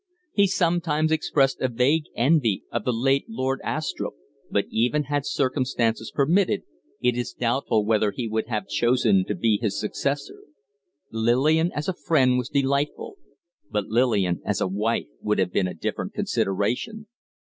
He sometimes expressed a vague envy of the late Lord Astrupp; but, even had circumstances permitted, it is doubtful whether he would have chosen to be his successor. Lillian as a friend was delightful, but Lillian as a wife would have been a different consideration.